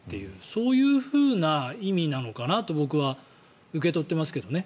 そういうふうな意味なのかなと僕は受け取ってますけどね。